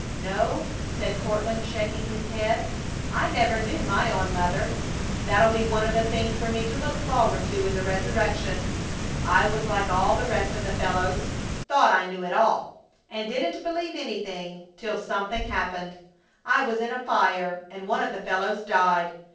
"No," said Courtland, shaking his head. "I never knew my own mother. That'll be one of the things for me to look forward to in the resurrection. I was like all the rest of the fellows thought I knew it all, and didn't believe anything till something happened! I was in a fire and one of the fellows died!